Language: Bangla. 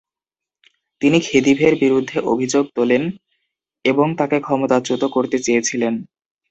তিনি খেদিভের বিরুদ্ধে অভিযোগ তোলেন এবং তাকে ক্ষমতাচ্যুত করতে চেয়েছিলেন।